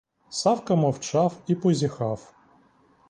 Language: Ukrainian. Савка мовчав і позіхав.